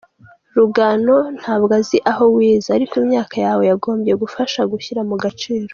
Rugano ntabwo nzi aho wize, ariko imyaka yawe yagombye kugufasha gushyira mu gaciro.